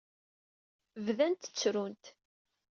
Bdant ttrunt.